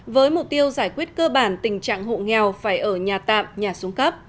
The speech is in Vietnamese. với mục tiêu giải quyết cơ bản tình trạng hộ nghèo phải ở nhà tạm nhà xuống cấp